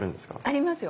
ありますよ。